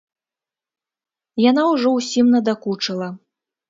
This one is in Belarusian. Яна ужо ўсім надакучыла.